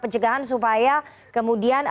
pencegahan supaya kemudian